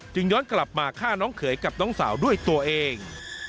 ย้อนกลับมาฆ่าน้องเขยกับน้องสาวด้วยตัวเอง